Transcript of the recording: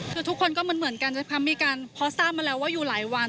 คือทุกคนก็เหมือนกันนะคะมีการพอทราบมาแล้วว่าอยู่หลายวัน